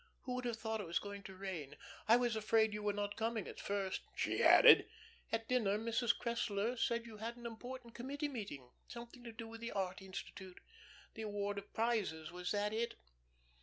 Who would have thought it was going to rain? I was afraid you were not coming at first," she added. "At dinner Mrs. Cressler said you had an important committee meeting something to do with the Art Institute, the award of prizes; was that it?"